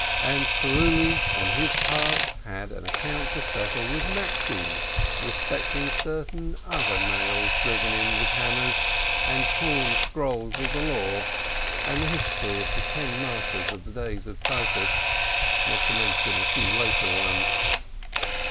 And Struli, on his part, had an account to settle with Maxim respecting certain other nails driven in with 252 STEINBERG hammers, and torn scrolls of the Law, and the history of the ten martyrs of the days of Titus, not to mention a few later ones.